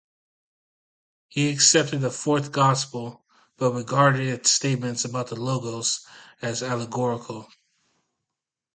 He accepted the fourth Gospel, but regarded its statements about the Logos as allegorical.